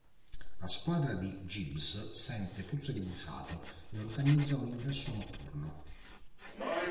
La squadra di Gibbs sente puzza di bruciato e organizza un "ingresso" notturno.